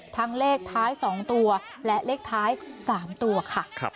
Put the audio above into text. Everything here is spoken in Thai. ทั้งเลขท้ายสองตัวและเลขท้ายสามตัวค่ะ